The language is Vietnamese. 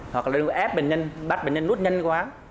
hoặc là lưu ép bệnh nhân bắt bệnh nhân nút nhanh quá